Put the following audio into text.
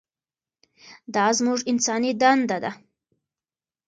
دا زموږ انساني دنده ده.